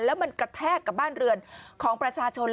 แล้วมันกระแทกกับบ้านเรือนของประชาชน